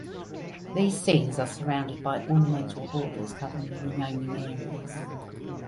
These scenes are surrounded by ornamental borders covering the remaining areas.